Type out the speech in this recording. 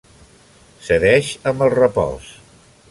Cedeix amb el repòs.